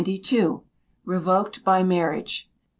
Revoked by Marriage.